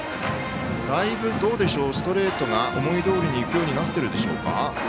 だいぶ、ストレートが思いどおりにいくようになってるでしょうか。